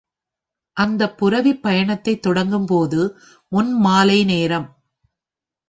அந்தப் புரவிப் பயணத்தைத் தொடங்கும்போது முன்மாலை நேரம்.